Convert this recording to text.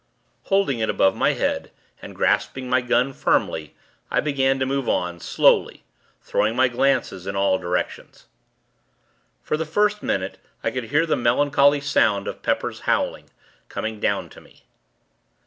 Holding it above my head, and grasping my gun, firmly, I began to move on, slowly, throwing my glances in all directions. For the first minute, I could hear the melancholy sound of Pepper's howling, coming down to me.